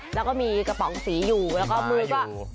แล้วก็มีกระป๋องสีอยู่แล้วก็มือก็